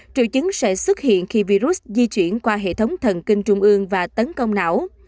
triệu chứng sẽ xuất hiện khi virus di chuyển qua hệ thống thần kinh trung ương và tấn công não